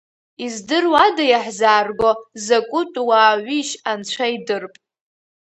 Издыруада иаҳзаарго, закәытә уаауишь, анцәа идырп.